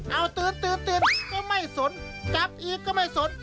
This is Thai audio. เอาตื่นตื่นก็ไม่สนกลับอีกก็ไม่สน